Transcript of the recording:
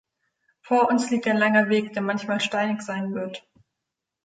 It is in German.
Vor uns liegt ein langer Weg, der manchmal steinig sein wird.